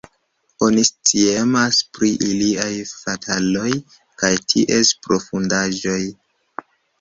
Oni sciemas pri iliaj fataloj kaj ties profundaĵoj.